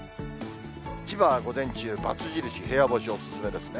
千葉は午前中×印、部屋干しお勧めですね。